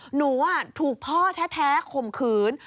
หนูถูกพ่อแท้ข่มขืน